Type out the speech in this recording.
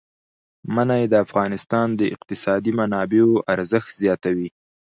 منی د افغانستان د اقتصادي منابعو ارزښت زیاتوي.